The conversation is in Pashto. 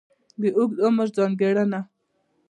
د اوږد عمر ځانګړنه.